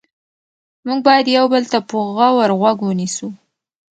موږ باید یو بل ته په غور غوږ ونیسو